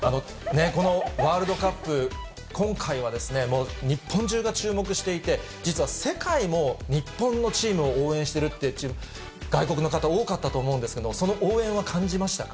このワールドカップ、今回は日本中が注目していて、実は、世界も日本のチームを応援しているっていう外国の方、多かったと思うんですけども、その応援を感じましたか。